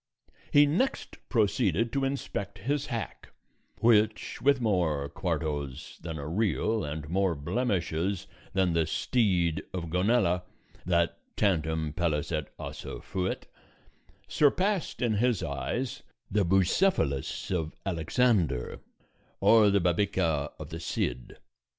He next proceeded to inspect his hack, which, with more quartos than a real and more blemishes than the steed of Gonela, that "tantum pellis et ossa fuit," surpassed in his eyes the Bucephalus of Alexander or the Babieca of the Cid.